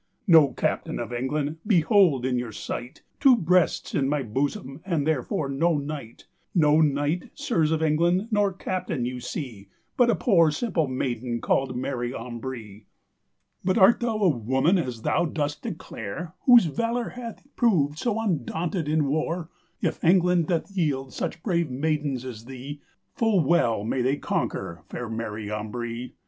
"No captaine of England; behold in your sight Two brests in my bosome, and therefore no knight: Noe knight, sirs, of England, nor captaine you see, But a poor simple mayden called Mary Ambree." "But art thou a woman, as thou dost declare, Whose valor hath proved so undaunted in warre? If England doth yield such brave maydens as thee, Full well mey they conquer, faire Mary Ambree."